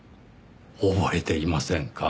覚えていませんか？